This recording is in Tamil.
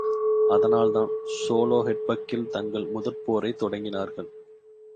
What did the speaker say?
அதனால்தான் ஸோலோஹெட்பக்கில் தங்கள் முதற்போரைத் தொடங்கினார்கள்.